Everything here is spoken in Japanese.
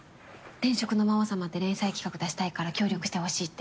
転職の魔王様って連載企画出したいから協力してほしいって。